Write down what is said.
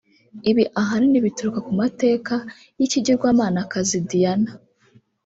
Ibi ahanini bituruka ku mateka y’ikigirwamanakazi Diana